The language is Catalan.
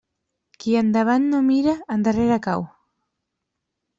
Qui endavant no mira, endarrere cau.